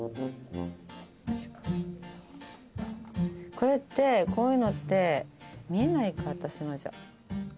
これってこういうのって見えないか私のじゃ。